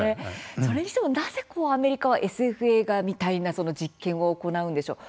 それにしても、なぜアメリカはＳＦ映画みたいな実験を行うんでしょう？